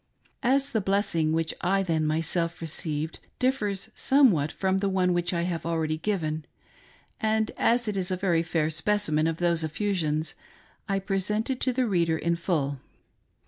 As the "bless ing" which I then myself received differs somewhat from the one which I have already given, and as it is a very fair speci men of those effusions, I present it to the reader in full.